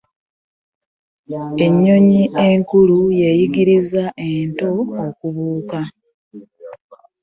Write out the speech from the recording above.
Ennyonyi enkulu y'eyigiriza ento okubuuka.